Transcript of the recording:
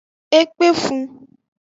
E kpefun.